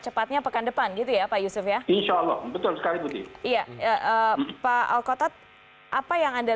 cepatnya pekan depan gitu ya pak yusuf ya insyaallah betul sekali iya pak al kota apa yang